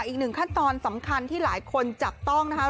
อีกหนึ่งขั้นตอนสำคัญที่หลายคนจับต้องนะครับ